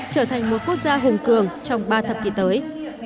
trở thành một quốc gia hùng cường trong ba thập kỷ tới